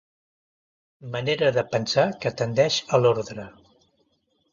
Manera de pensar que tendeix a l'ordre.